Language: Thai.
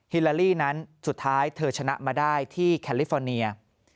ลาลีนั้นสุดท้ายเธอชนะมาได้ที่แคลิฟอร์เนีย